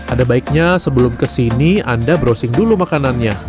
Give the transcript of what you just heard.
ada baiknya sebelum kesini anda browsing dulu makanannya